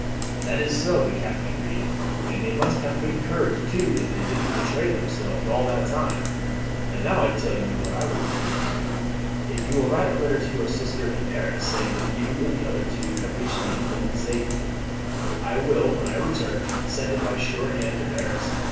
"That is so," the captain agreed; "and they must have good courage too that they didn't betray themselves all that time. And now I tell you what I will do, monsieur. If you will write a letter to your sister in Paris, saying that you and the other two have reached England in safety, I will when I return send it by sure hand to Paris.